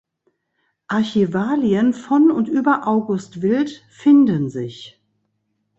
Archivalien von und über August Wildt finden sich